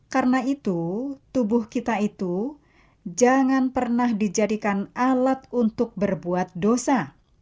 karena itu tubuh kita itu jangan pernah dijadikan alat untuk berbuat dosa